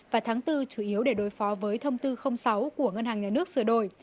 và tháng bốn chủ yếu để đối phó với thông tư sáu của ngân hàng nhà nước sửa đổi